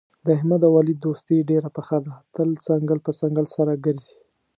د احمد او علي دوستي ډېره پخه ده، تل څنګل په څنګل سره ګرځي.